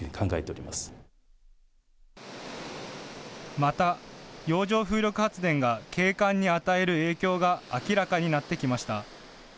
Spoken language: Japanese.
また、洋上風力発電が景観に与える影響が明らかになってきました。